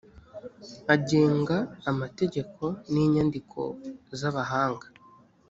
agenga amategeko n inyandiko z abahanga